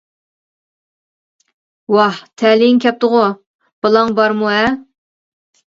-ۋاھ تەلىيىڭ كەپتىغۇ؟ بالاڭ بارمۇ؟ -ھە!